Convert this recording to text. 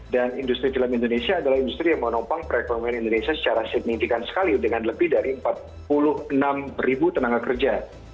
dan industri film indonesia adalah industri yang menopang perekonomian indonesia secara signifikan sekali dengan lebih dari empat puluh enam ribu tenaga kerja